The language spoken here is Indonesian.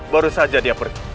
baru saja dia pergi